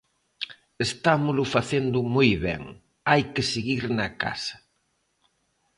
Estámolo facendo moi ben, hai que seguir na casa.